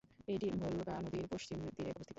এটি ভোলগা নদীর পশ্চিম তীরে অবস্থিত।